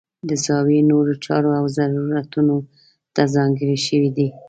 د زاویې نورو چارو او ضرورتونو ته ځانګړې شوي دي.